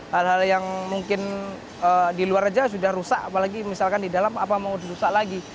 hal hal yang mungkin di luar saja sudah rusak apalagi misalkan di dalam apa mau dirusak lagi